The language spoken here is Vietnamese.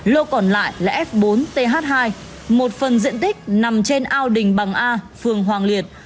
lô còn lại là f bốn th hai một phần diện tích nằm trên ao đình bằng a phường hoàng liệt